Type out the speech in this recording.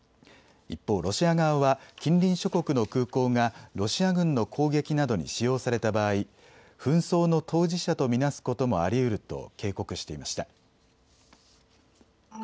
一方、ロシア側は近隣諸国の空港がロシア軍の攻撃などに使用された場合、紛争の当事者と見なすこともありうると警告していました。